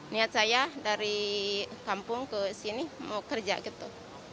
niat saya dari kampung ke sini mau kerja gitu